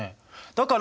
だから！